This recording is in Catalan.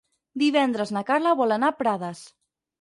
Divendres na Carla vol anar a Prades.